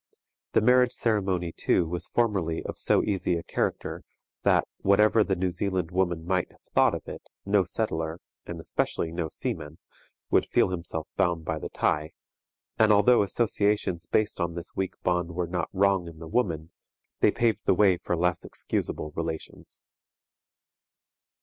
The marriage ceremony, too, was formerly of so easy a character that, whatever the New Zealand woman might have thought of it, no settler, and especially no seaman, would feel himself bound by the tie, and, although associations based on this weak bond were not wrong in the woman, they paved the way for less excusable relations.